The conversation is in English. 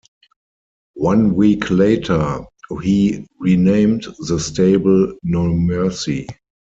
One week later, he renamed the stable No Mercy.